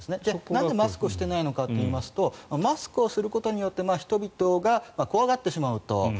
なぜマスクをしていないのかといいますとマスクをすることによって人々が怖がってしまうと。